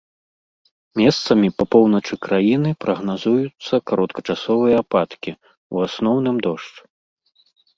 Месцамі па поўначы краіны прагназуюцца кароткачасовыя ападкі, у асноўным дождж.